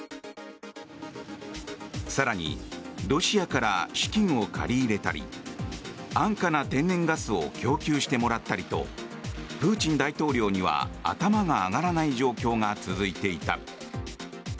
更にロシアから資金を借り入れたり安価な天然ガスを供給してもらったりとプーチン大統領には頭が上がらない状況が続いていた。